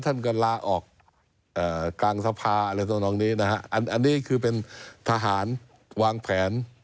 อันนี้คือเป็นทหารวางแผน